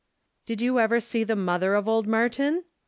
"Did you ever see the mother of old Martin